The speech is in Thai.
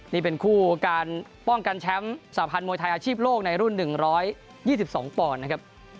นี่เป็นคู่การป้องกันแชมป์สาพันธ์มวยไทยอาชีพโลกในรุ่น๑๒๒ปอนด์นะครับ